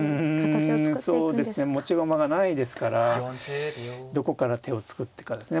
持ち駒がないですからどこから手を作っていくかですね。